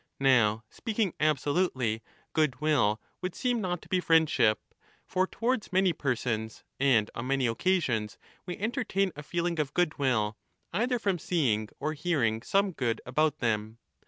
Now, speaking absolutely, good will would seem not to be friendship (for towards many persons and on many occasions we entertain a feeling of goodwill either from seeing or hearing some good about them.